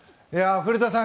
古田さん